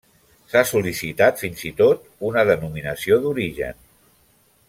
S'ha sol·licitat fins i tot una denominació d'origen.